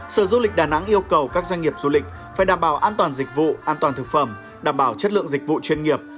sở du lịch đà nẵng yêu cầu các doanh nghiệp du lịch phải đảm bảo an toàn dịch vụ an toàn thực phẩm đảm bảo chất lượng dịch vụ chuyên nghiệp